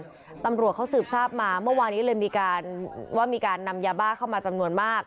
ตำรวจเขาสืบทราบมาเมื่อวานนี้เลยมีการว่ามีการนำยาบ้าเข้ามาจำนวนมาก